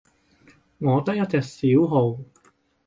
我得一隻小號